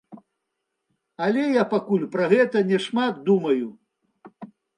Але я пакуль пра гэта не шмат думаю.